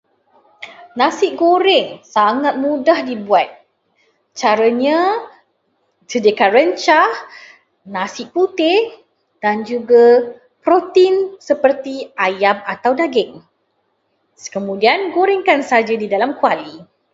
Nasi goreng sangat mudah dibuat. Caranya, sediakan rencah, nasi putih dan juga protein seperti ayam atau daging. Kemudian, gorengkan saja di dalam kuali.